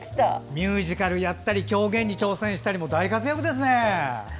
ミュージカルやったり狂言に挑戦したり大活躍ですね。